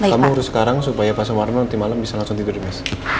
kamu urus sekarang supaya pak semarno nanti malam bisa langsung tidur di mes